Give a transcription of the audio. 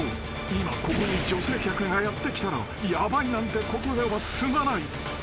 今ここに女性客がやって来たらヤバいなんてことでは済まない］